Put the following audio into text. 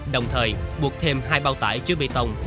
đồng thời buộc thêm hai bao tải chứa bê tông